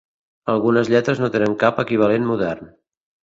Algunes lletres no tenen cap equivalent modern.